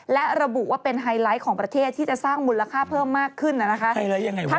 และระบุว่าเป็นไฮไลท์ของประเทศที่จะสร้างมูลค่าเพิ่มมากขึ้นนะคะ